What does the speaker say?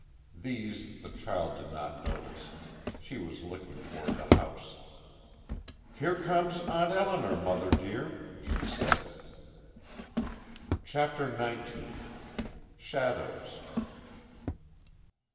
These the child did not notice; she was looking toward the house. "Here comes Aunt Elinor, mother, dear," she said. CHAPTER NINETEEN. SHADOWS.